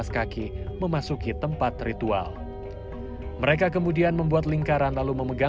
siang itu mulai bergembira